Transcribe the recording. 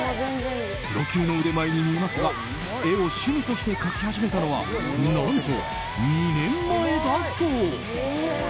プロ級の腕前に見えますが絵を趣味として描き始めたのは何と２年前だそう。